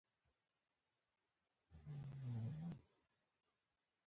دا له ډبرو او ټوټو څخه دفاعي دېوالونه جوړ کړي